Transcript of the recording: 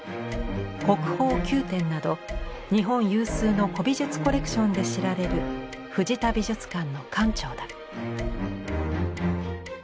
国宝９点など日本有数の古美術コレクションで知られる藤田美術館の館長だ。